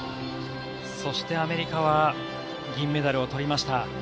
そしてアメリカは銀メダルを取りました。